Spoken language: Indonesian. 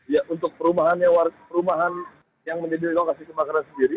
ya untuk perumahan yang menjadi lokasi kebakaran sendiri